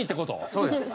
そうです。